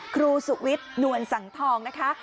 ครูสุวิทย์นวลสังทองนะคะ